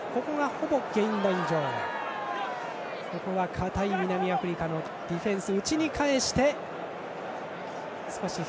堅い南アフリカのディフェンス。